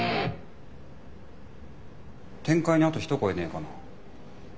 展開にあと一声ねえかな？